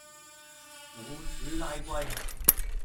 老鼠拉龜